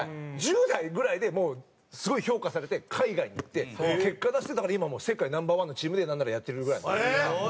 １０代ぐらいでもうすごい評価されて海外に行って結果出してだから今はもう世界ナンバーワンのチームでなんならやってるぐらいの。